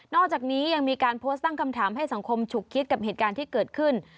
อกจากนี้ยังมีการโพสต์ตั้งคำถามให้สังคมฉุกคิดกับเหตุการณ์ที่เกิดขึ้น